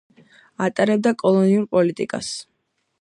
ატარებდა კოლონიურ პოლიტიკას.